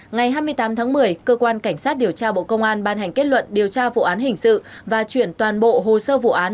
ngày hai mươi tám tháng một mươi cơ quan cảnh sát điều tra bộ công an ban hành kết luận điều tra vụ án hình sự và chuyển toàn bộ hồ sơ vụ án